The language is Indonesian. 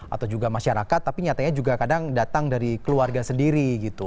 atau juga masyarakat tapi nyatanya juga kadang datang dari keluarga sendiri gitu